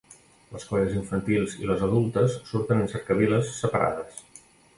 Les colles infantils i les adultes surten en cercaviles separades.